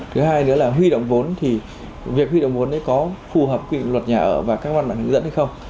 thứ hai nữa là huy động vốn thì việc huy động vốn có phù hợp quy luật nhà ở và các văn bản hướng dẫn hay không